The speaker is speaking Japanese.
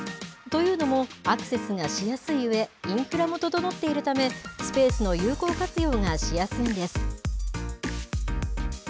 というのも、アクセスがしやすいうえ、インフラも整っているため、スペースの有効活用がしやすいんです。